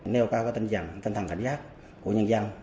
nêu cao tân dạng tân thẳng cảnh giác của nhân dân